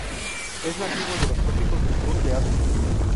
Es nativo de los trópicos del sur de África.